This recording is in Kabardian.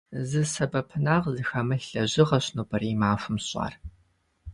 Зы сэбэпынагъ зыхэмылъ лэжьыгъэщ нобэрей махуэм сщӏар.